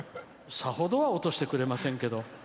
さほどは落としてくれませんけど。